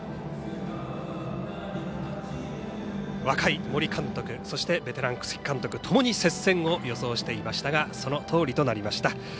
若い森監督そして、ベテラン楠城監督ともに接戦を予想していましたがそのとおりとなりました。